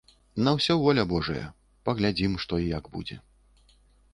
На ўсё воля божая, паглядзім што і як будзе.